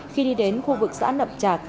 khi đi đến khu vực xã nậm trạc